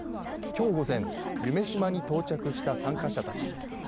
きょう午前夢洲に到着した参加者たち。